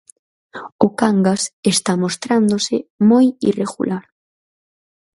O Cangas está mostrándose moi irregular.